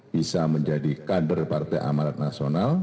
bisa menjadi kader partai amanat nasional